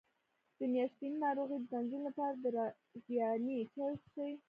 د میاشتنۍ ناروغۍ د تنظیم لپاره د رازیانې چای وڅښئ